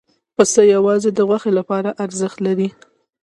پسه یوازې د غوښې لپاره ارزښت لري.